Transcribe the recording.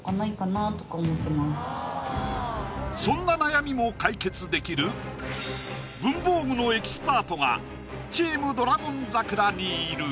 そんな悩みも解決できる文房具のエキスパートがチーム「ドラゴン桜」にいる！